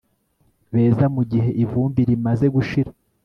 beza mugihe ivumbi rimaze gushira